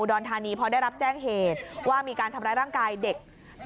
อนธานีพอได้รับแจ้งเหตุว่ามีการทำร้ายร่างกายเด็ก